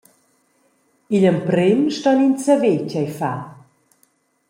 Igl emprem ston ins saver tgei far.